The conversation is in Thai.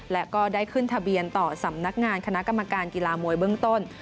และก็ได้ขึ้นทะเบียนต่อสำนักงานคณะกรรมการกีฬามวยเบื้องต้น